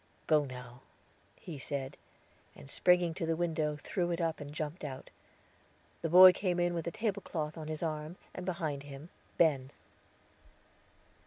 "Go, now," he said, and springing to the window, threw it up, and jumped out. The boy came in with a tablecloth on his arm, and behind him Ben.